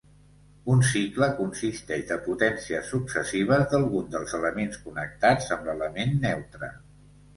Un cicle consisteix de potències successives d'algun dels elements connectats amb l'element neutre.